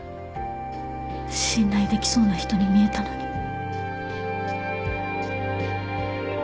信頼できそうな人に見えたのに。